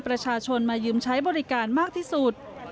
ประชาชนมายืมใช้บริการมากที่สุด